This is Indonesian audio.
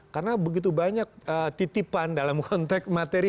karena begitu banyak titipan dalam konteks materi